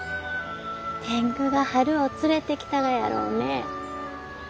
天狗が春を連れてきたがやろうね。